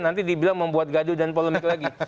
nanti dibilang membuat gaduh dan polemik lagi